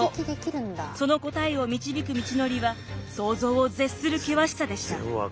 その答えを導く道のりは想像を絶する険しさでした。